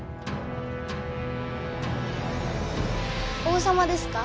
王様ですか？